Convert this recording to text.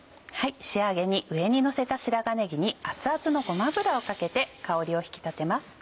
仕上げに上にのせた白髪ねぎに熱々のごま油をかけて香りを引き立てます。